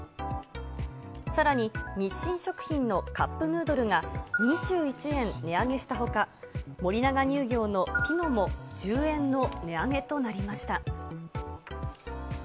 さらに日清食品のカップヌードルが２１円値上げしたほか、森永乳業のピノも１０円の値上げとなりました。